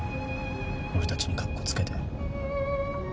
俺たちにカッコつけて。